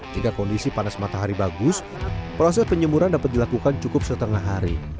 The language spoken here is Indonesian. jika kondisi panas matahari bagus proses penyemuran dapat dilakukan cukup setengah hari